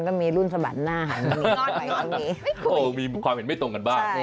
ก็มีรุ่นสะบัดหน้าหันมีความเห็นไม่ตรงกันบ้าง